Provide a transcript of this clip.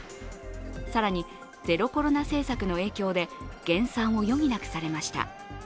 更に、ゼロコロナ政策の影響で減産を余儀なくされました。